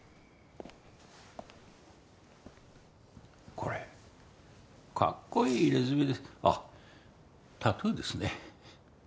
これかっこいい入れ墨あっタトゥーですね。